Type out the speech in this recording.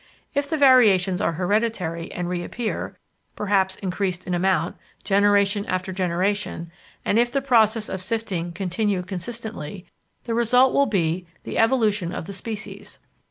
If the variations are hereditary and reappear, perhaps increased in amount, generation after generation, and if the process of sifting continue consistently, the result will be the evolution of the species.